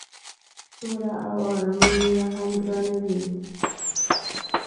سوله او آرامي نوره هم ګرانوي.